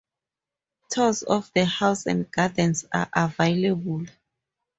Tours of the House and Gardens are available.